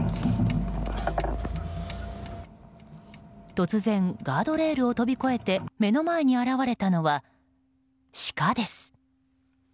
突然、ガードレールを飛び越えて目の前に現れたのはシカです。